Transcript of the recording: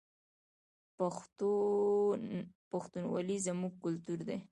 پښتونولي زموږ کلتور دی